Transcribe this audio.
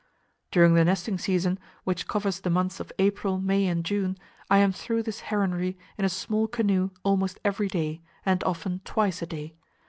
During the nesting season, which covers the months of April, May and June, I am through this heronry in a small canoe almost every day, and often twice a day.